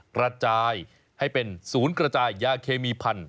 กระจายให้เป็นศูนย์กระจายยาเคมีพันธุ